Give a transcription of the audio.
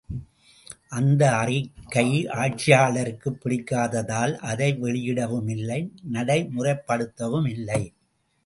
அந்த அறிக்கை ஆட்சியாளருக்குப் பிடிக்காததால் அதை வெளியிடவும் இல்லை நடைமுறைப் படுத்தவும் இல்லை.